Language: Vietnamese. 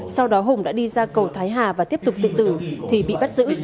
sau đó hùng đã đi ra cầu thái hà và tiếp tục tự tử thì bị bắt giữ